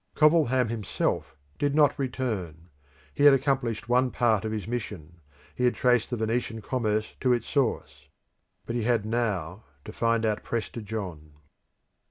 Covilham himself did not return. He had accomplished one part of his mission; he had traced the Venetian commerce to its source; but he had now to find out Prester John.